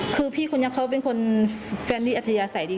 คือพี่คุณยักษ์เขาเป็นคนแฟนดีอัธยาใส่ดี